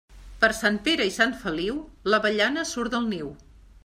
Per Sant Pere i Sant Feliu, l'avellana surt del niu.